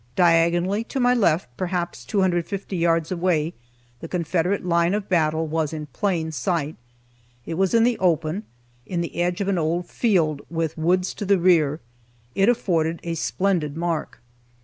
Diagonally to my left, perhaps two hundred and fifty yards away, the Confederate line of battle was in plain sight. It was in the open, in the edge of an old field, with woods to the rear. It afforded a splendid mark.